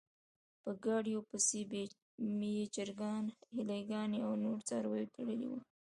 په ګاډیو پسې یې چرګان، هیلۍ ګانې او نور څاروي تړلي و.